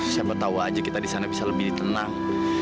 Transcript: siapa tahu aja kita di sana bisa lebih tenang